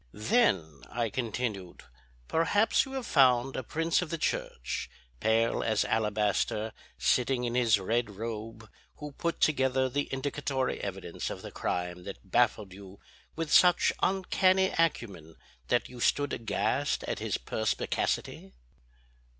"Then," I continued, "perhaps you have found a prince of the church, pale as alabaster, sitting in his red robe, who put together the indicatory evidence of the crime that baffled you with such uncanny acumen that you stood aghast at his perspicacity?"